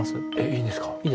いいんですか？